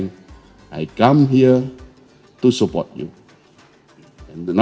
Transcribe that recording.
saya datang ke sini untuk mendukung anda